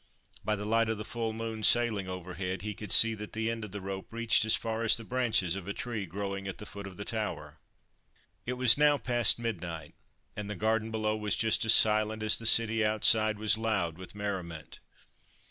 By the light of the full moon sailing over head, he could see that the end of the rope reached as far as the branches of a tree growing at the foot of the tower. It was now past midnight, and the garden below was just as silent as the city outside was loud with merriment.